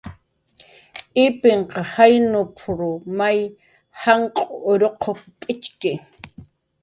"Ipinhq jaynp""r may janq' ruqw p'itxki"